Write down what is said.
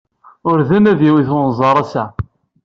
Urden ad d-iwet unẓar ass-a.